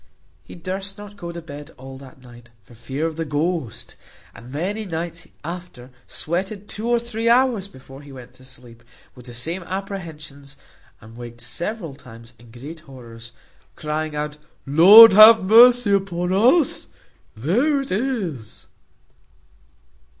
He durst not go to bed all that night, for fear of the ghost; and for many nights after sweated two or three hours before he went to sleep, with the same apprehensions, and waked several times in great horrors, crying out, "Lord have mercy upon us! there it is."